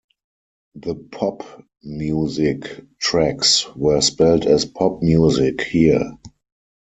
The "Pop Muzik" tracks were spelled as "Popmuzik" here.